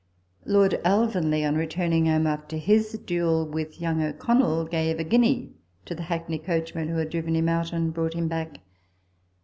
Lord Alvanley on returning home, after his duel with young O'Connel, gave a guinea to the hackney coachman who had driven him out and brought him back.